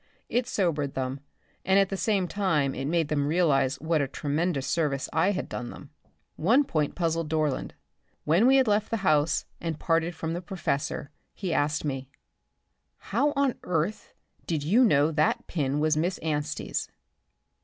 It sobered them, and at the same time it made them realize what a tremendous service I had done them. One point puzzled Dorland. When we had left the house and parted from the professor, he asked me: "How on earth did you know that pin was Miss Anstey's?"